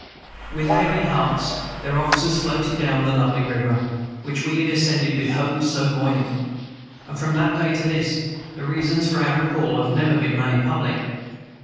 With heavy hearts their officers floated down the lovely river, which we had ascended with hopes so buoyant; and from that day to this, the reasons for our recall have never been made public.